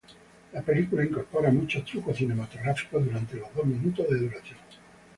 La película incorpora muchos trucos cinematográficos durante los dos minutos de duración.